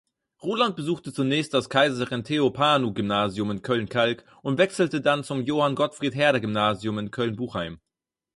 Ruland besuchte zunächst das Kaiserin-Theophanu-Gymnasium in Köln-Kalk und wechselte dann zum Johann-Gottfried-Herder-Gymnasium in Köln-Buchheim.